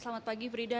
selamat pagi frida